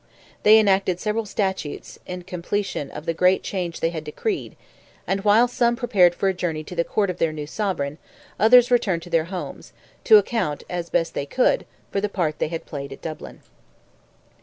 They enacted several statutes, in completion of the great change they had decreed; and while some prepared for a journey to the court of their new sovereign, others returned to their homes, to account as best they could for the part they had played at Dublin.